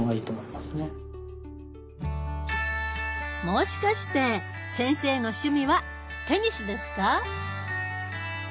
もしかして先生の趣味はテニスですか？